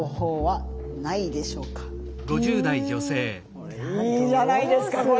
これいいじゃないですかこれ。